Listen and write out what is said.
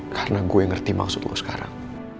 karena gue ngerti maksud lo sekarang